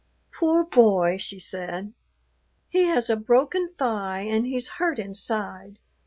"Poor boy," she said, "he has a broken thigh and he's hurt inside.